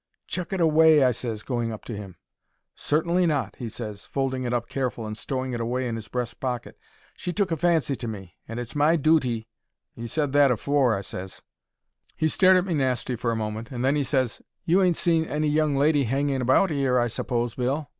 "Chuck it away," I ses, going up to him. "Certainly not," he ses, folding it up careful and stowing it away in 'is breastpocket. "She's took a fancy to me, and it's my dooty——" "You said that afore," I ses. He stared at me nasty for a moment, and then 'e ses: "You ain't seen any young lady hanging about 'ere, I suppose, Bill?